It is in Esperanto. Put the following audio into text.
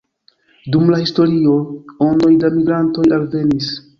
Dum la historio ondoj da migrantoj alvenis.